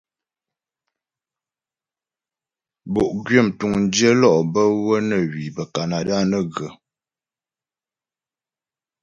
Bo'gwyə mtuŋdyə lɔ' bə́ wə́ nə hwi bə́ Kanada nə ghə.